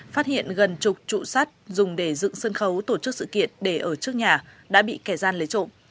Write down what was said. phát hiện gần chục trụ sắt dùng để dựng sân khấu tổ chức sự kiện để ở trước nhà đã bị kẻ gian lấy trộm